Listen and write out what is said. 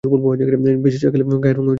বেশি চা খেলে গায়ের রঙ ময়লা হয়ে যায়।